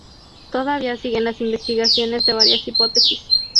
Todavía siguen las investigaciones de varias hipótesis.